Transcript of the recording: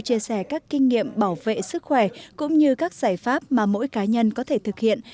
chia sẻ các kinh nghiệm bảo vệ sức khỏe cũng như các giải pháp mà mỗi cá nhân có thể thực hiện